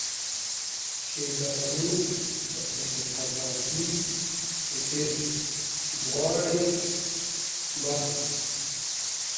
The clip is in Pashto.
چې د غني د انتخاباتي پېکج دواړې مهرې.